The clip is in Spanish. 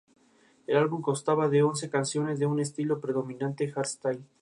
El álbum constaba de once canciones de un estilo predominante hardstyle.